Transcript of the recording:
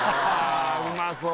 うまそう。